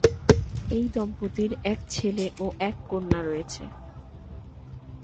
এই দম্পতির এক ছেলে ও এক কন্যা রয়েছে।